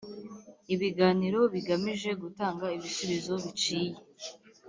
ibiganiro bigamije gutanga ibisubizo biciye